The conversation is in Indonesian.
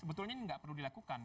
sebetulnya ini tidak perlu dilakukan